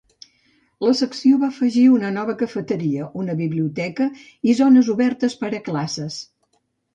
La secció va afegir una nova cafeteria, una biblioteca i zones obertes per a classes.